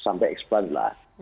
sampai eksplod lah